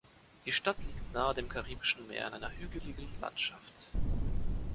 Die Stadt liegt nahe dem Karibischen Meer in einer hügeligen Landschaft.